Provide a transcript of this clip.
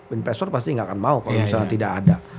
investor pasti nggak akan mau kalau misalnya tidak ada